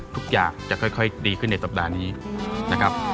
ทุกอย่างจะค่อยดีขึ้นในสัปดาห์นี้นะครับ